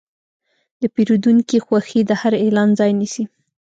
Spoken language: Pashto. د پیرودونکي خوښي د هر اعلان ځای نیسي.